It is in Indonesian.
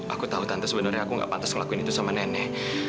aku tahu tante sebenarnya aku gak pantas ngelakuin itu sama nenek